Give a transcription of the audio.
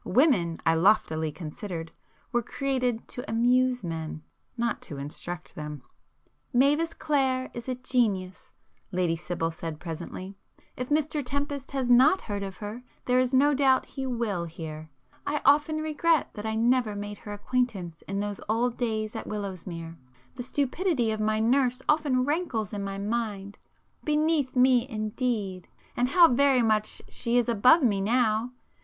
Women, I loftily considered, were created to amuse men,—not to instruct them. "Mavis Clare is a genius,"—Lady Sibyl said presently—"If Mr Tempest has not heard of her, there is no doubt he will hear. I often regret that I never made her acquaintance in those old days at Willowsmere,—the stupidity of my nurse often rankles in my mind. 'Beneath me'—indeed!—and how very much she is above me now!